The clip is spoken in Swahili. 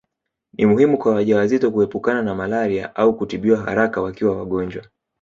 Ni muhimu kwa wajawazito kuepukana na malaria au kutibiwa haraka wakiwa wagonjwa